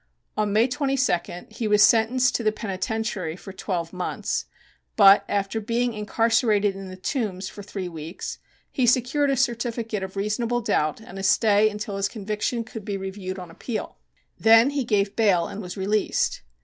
On May 22nd he was sentenced to the penitentiary for twelve months, but, after being incarcerated in the Tombs for three weeks, he secured a certificate of reasonable doubt and a stay until his conviction could be reviewed on appeal. Then he gave bail and was released.